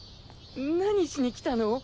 何しに来たの？